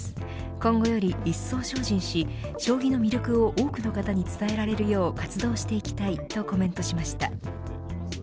今後より一層精進し将棋の魅力を多くの方に伝えられるよう活動していきたいとコメントしました。